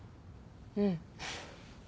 うん。